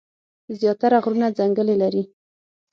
زيات تره غرونه ځنګلې لري ـ